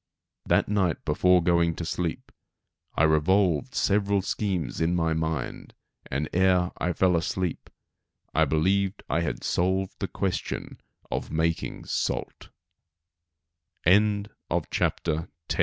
That night before going to sleep, I revolved several schemes in my mind, and, ere I fell asleep, I believed I had solved the question of making salt. *CHAPTER XI.